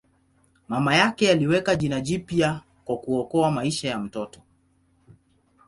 Mama yake aliweka jina jipya kwa kuokoa maisha ya mtoto.